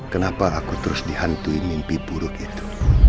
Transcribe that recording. kenapa aku terus dihantui mimpi buruk itu